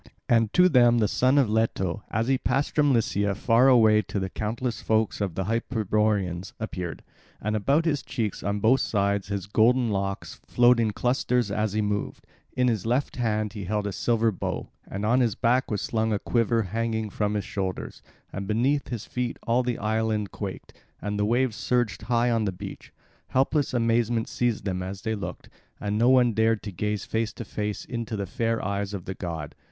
And to them the son of Leto, as he passed from Lycia far away to the countless folk of the Hyperboreans, appeared; and about his cheeks on both sides his golden locks flowed in clusters as he moved; in his left hand he held a silver bow, and on his back was slung a quiver hanging from his shoulders; and beneath his feet all the island quaked, and the waves surged high on the beach. Helpless amazement seized them as they looked; and no one dared to gaze face to face into the fair eyes of the god.